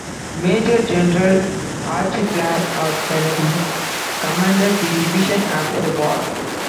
Major General Archibald R. Kennedy commanded the division after the war.